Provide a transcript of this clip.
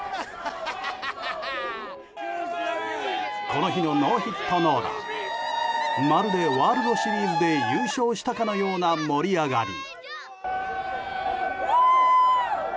この日のノーヒットノーランまるでワールドシリーズで優勝したかのような盛り上がり。